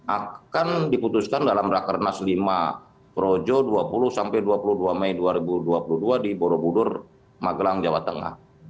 akan diputuskan dalam rakernas lima projo dua puluh sampai dua puluh dua mei dua ribu dua puluh dua di borobudur magelang jawa tengah